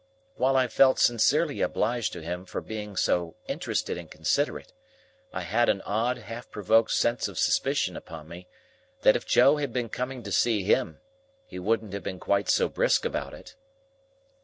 While I felt sincerely obliged to him for being so interested and considerate, I had an odd half provoked sense of suspicion upon me, that if Joe had been coming to see him, he wouldn't have been quite so brisk about it.